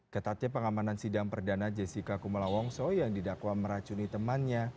ketatnya pengamanan sidang perdana jessica kumala wongso yang didakwa meracuni temannya